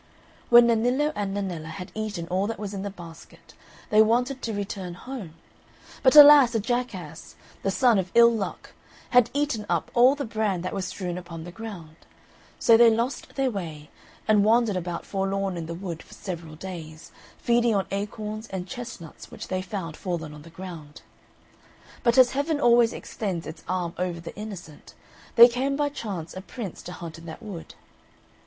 When Nennillo and Nennella had eaten all that was in the basket, they wanted to return home; but alas! a jackass the son of ill luck had eaten up all the bran that was strewn upon the ground; so they lost their way, and wandered about forlorn in the wood for several days, feeding on acorns and chestnuts which they found fallen on the ground. But as Heaven always extends its arm over the innocent, there came by chance a Prince to hunt in that wood.